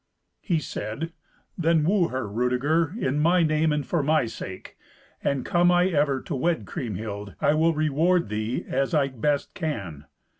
He said, "Then woo her, Rudeger, in my name and for my sake. And come I ever to wed Kriemhild, I will reward thee as I best can.